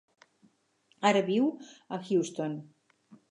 Ara viu a Houston.